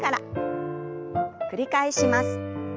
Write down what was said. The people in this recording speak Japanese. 繰り返します。